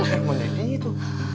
eh mana dia itu